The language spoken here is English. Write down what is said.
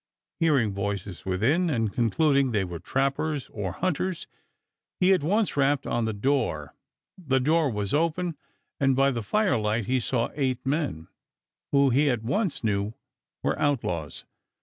Hearing voices within and concluding they were trappers or hunters, he at once rapped on the door. The door was opened and by the firelight he saw eight men, who he at once knew were outlaws.